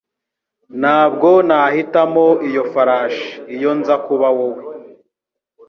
Ntabwo nahitamo iyo farashi iyo nza kuba wowe.